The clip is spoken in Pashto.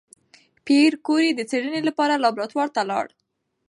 پېیر کوري د څېړنې لپاره لابراتوار ته لاړ.